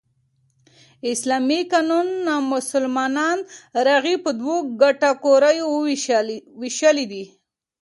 اسلامي قانون نامسلمان رعیت په دوو کېټه ګوریو ویشلى دئ.